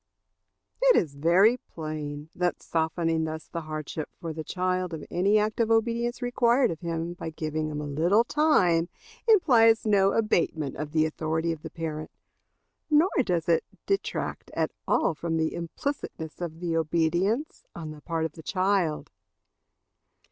It is very plain that softening thus the hardship for the child of any act of obedience required of him by giving him a little time implies no abatement of the authority of the parent, nor does it detract at all from the implicitness of the obedience on the part of the child.